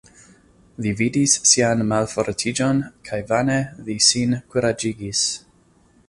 Li vidis sian malfortiĝon kaj vane li sin kuraĝigis.